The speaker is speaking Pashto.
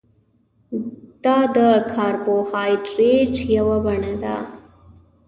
دا د کاربوهایډریټ یوه بڼه ده